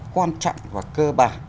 quan trọng và cơ bản